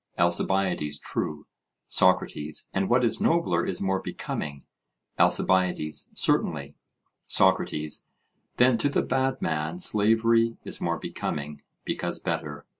ALCIBIADES: True. SOCRATES: And what is nobler is more becoming? ALCIBIADES: Certainly. SOCRATES: Then to the bad man slavery is more becoming, because better?